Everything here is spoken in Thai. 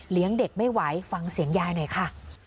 เด็กไม่ไหวฟังเสียงยายหน่อยค่ะ